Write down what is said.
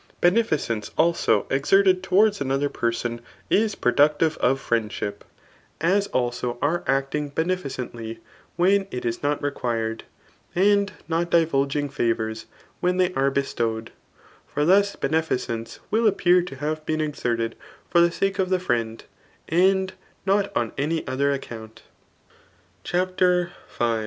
Beneficent alto exerted towards another peiwn h prbducdre of friendship, as also are actmg b^eficcntly lAten it is not requsi*ed, and not divulging favours when diejr are bestowed^ For thus beneficence ^1 appear to have been exerted for the sake of the friend^ and not on any other account. ',. CHAPTER V.